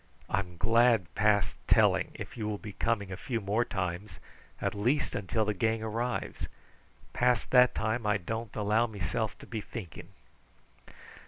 I'm glad past telling if you will be coming a few more times, at least until the gang arrives. Past that time I don't allow mesilf to be thinking."